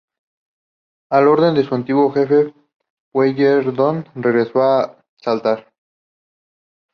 A órdenes de su antiguo jefe Pueyrredón regresó a Salta.